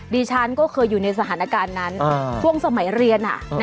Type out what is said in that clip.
ดิฉันก็เคยอยู่ในสถานการณ์นั้นช่วงสมัยเรียน